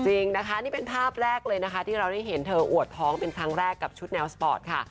จริงนะคะนี่เป็นภาพแรกเลยนะคะที่เราได้เห็นเธออวดท้องเป็นครั้งแรกกับชุดแนวสปอร์ตค่ะ